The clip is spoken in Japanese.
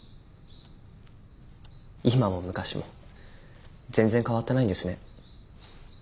今も昔も全然変わってないんですね。